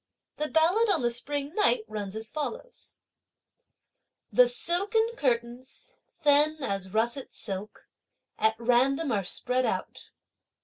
The ballad on the spring night runs as follows: The silken curtains, thin as russet silk, at random are spread out.